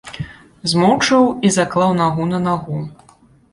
Змоўчаў і заклаў нагу на нагу.